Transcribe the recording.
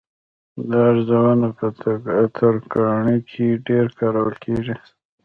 دا اوزارونه په ترکاڼۍ کې ډېر کارول کېږي.